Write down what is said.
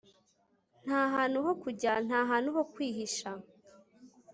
ntahantu ho kujya, ntahantu ho kwihisha